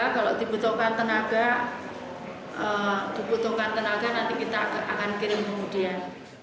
kalau dibutuhkan tenaga dibutuhkan tenaga nanti kita akan kirim kemudian